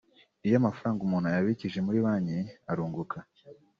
Iyo amafaranga umuntu ayabikije muri banki arunguka